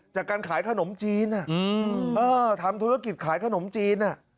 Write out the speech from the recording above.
จากการขายขนมจีนอ่ะอืมอ้อทำธุรกิจขายขนมจีนอ่ะ